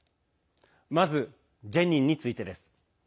まずジェニンについてです。